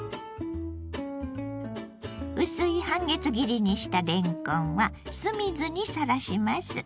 薄い半月切りにしたれんこんは酢水にさらします。